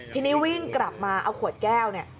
ทีนี้วิ่งกลับมาเอาขวดแก้วเนี่ย